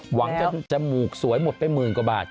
หวังจะจมูกสวยหมดไปหมื่นกว่าบาท